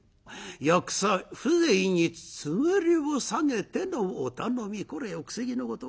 役者風情に頭を下げてのお頼みこれよくせきのこと。